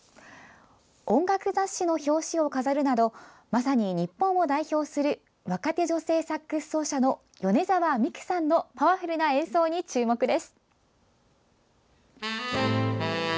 音楽雑誌の表紙を飾るなどまさに日本を代表する若手女性サックス奏者の米澤美玖さんのパワフルな演奏に注目です。